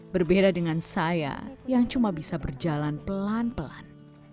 berbeda dengan saya yang cuma bisa berjalan pelan pelan